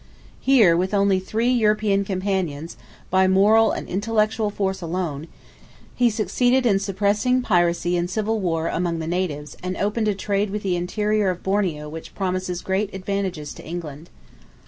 Here, with only three European companions, by moral and intellectual force alone, he succeeded in suppressing piracy and civil war among the natives and opened a trade with the interior of Borneo which promises great advantages to England.